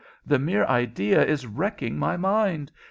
The mere idea is wrecking my mind.